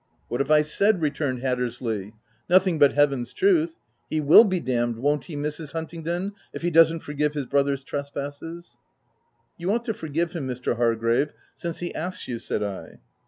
"What have I said?'' returned Hattersley, u Nothing but Heaven's truth — he will be damned, won't he, Mrs. Huntingdon, if he doesn't forgive his brother's trespasses?'' " You ought to forgive him, Mr. Hargrave, since he asks you," said I.